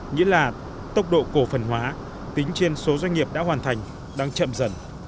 nghĩa là tốc độ cổ phần hóa tính trên số doanh nghiệp đã hoàn thành đang chậm dần